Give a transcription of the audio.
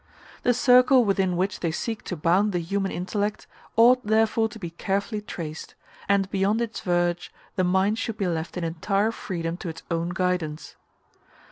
The circle within which they seek to bound the human intellect ought therefore to be carefully traced, and beyond its verge the mind should be left in entire freedom to its own guidance.